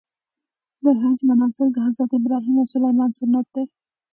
د حج مناسک د حضرت ابراهیم او اسماعیل سنت دي.